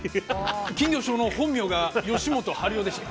金魚師匠の本名が吉本春代でした。